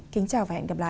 kính chào và hẹn gặp lại